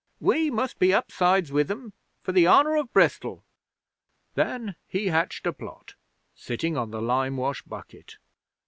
"We must be upsides with 'em for the honour of Bristol." 'Then he hatched a plot, sitting on the limewash bucket.